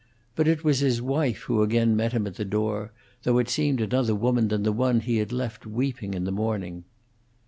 But it was his wife who again met him at the door, though it seemed another woman than the one he had left weeping in the morning.